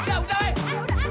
bukan lu juga bukan